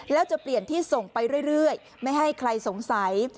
แล้วจะเปลี่ยนที่ส่งไปเรื่อยไม่ให้ใครสงสัย